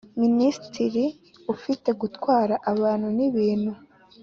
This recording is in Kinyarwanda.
Minisitiri ufite gutwara abantu n ibintu